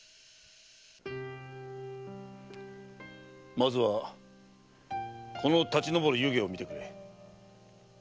まずはこの立ち上る湯気を見てくれ。